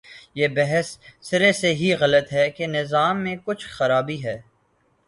یہ بحث سرے سے ہی غلط ہے کہ نظام میں کچھ خرابی ہے۔